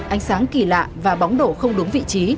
ánh sáng kỳ lạ và bóng đổ không đúng vị trí